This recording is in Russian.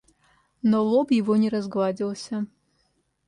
Но лоб его не разгладился.